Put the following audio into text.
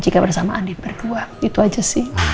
jika bersama andin berdua itu aja sih